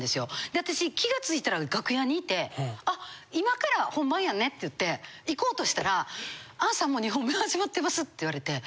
で私気が付いたら楽屋にいてあ今から本番やねって言って行こうとしたら「アンさんもう２本目始まってます」って言われて。